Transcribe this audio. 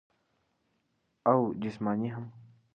او جسماني هم -